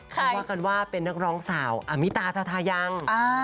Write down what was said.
เขาว่ากันว่าเป็นนักร้องสาวอมิตาทาทายัง